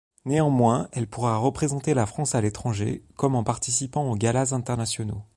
Néanmoins, elle pourra représenter la France à l'étranger, comme en participant aux galas internationaux.